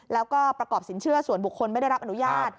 แล้วก็ประกอบสินเชื่อส่วนบุคคลไม่ได้รับอนุญาต